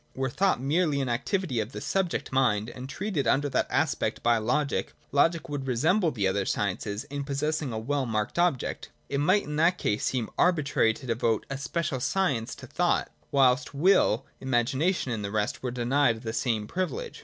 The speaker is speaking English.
Were thought! merely an activity of the subject mind and treated under that aspect by logic, logic would resemble the other sciences in possessing a well marked object. It might in that case seem arbitrary to devote a special science to thought, whilst will, imagination and the rest were denied the same privilege.